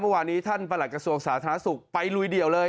เมื่อวานนี้ท่านประหลักระทรวงสาธารณสุขไปลุยเดี่ยวเลย